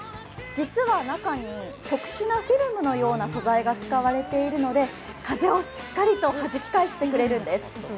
実は中に特殊なフィルムのような素材が使われているので、風をしっかりとはじき返してくれるんです。